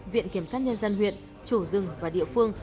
viện kiểm sát nhân dân huyện chủ rừng và địa phương